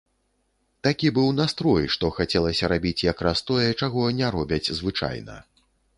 Такі быў настрой, што хацелася рабіць якраз тое, чаго не робяць звычайна.